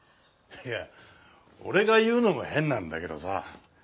いや俺が言うのも変なんだけどさ